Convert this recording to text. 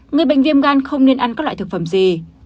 người bệnh viêm gan không nên ăn các loại thực phẩm gì